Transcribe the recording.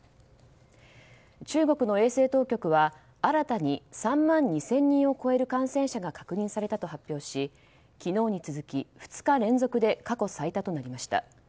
中国の衛生当局は新たに３万２０００人を超える感染者が確認されたと発表し昨日に続き、２日連続で過去最多となりました。